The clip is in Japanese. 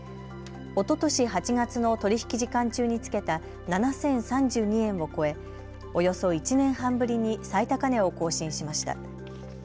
おととし８月の取り引き時間中につけた７０３２円を超えおよそ１年半ぶりに最高値を更新しました。